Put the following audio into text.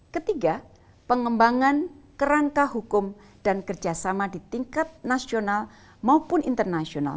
ketiga pengembangan kerangka hukum dan kerjasama di tingkat nasional maupun internasional